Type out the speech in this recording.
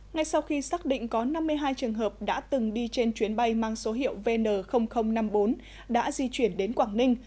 ngay sau khi xác định có năm mươi hai trường hợp đã từng đi trên chuyến bay mang số hiệu vn năm mươi bốn đã di chuyển đến quảng ninh